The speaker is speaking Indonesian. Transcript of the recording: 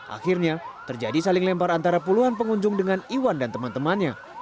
akhirnya terjadi saling lempar antara puluhan pengunjung dengan iwan dan teman temannya